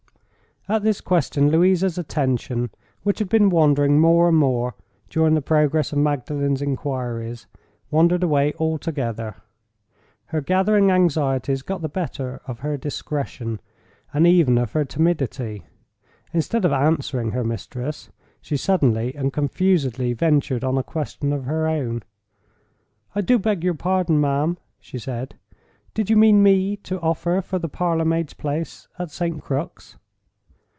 At this question Louisa's attention, which had been wandering more and more during the progress of Magdalen's inquiries, wandered away altogether. Her gathering anxieties got the better of her discretion, and even of her timidity. Instead of answering her mistress, she suddenly and confusedly ventured on a question of her own. "I beg your pardon, ma'am," she said. "Did you mean me to offer for the parlor maid's place at St. Crux?"